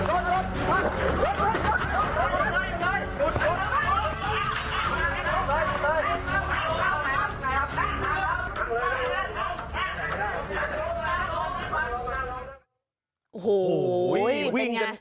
โอ้โฮวิ่งกัน